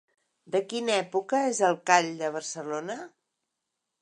De quina època és el Call de Barcelona?